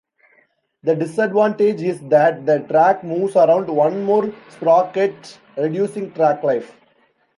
The disadvantage is that the track moves around one more sprocket, reducing track life.